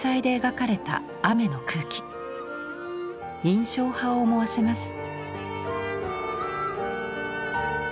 印象派を思わせます。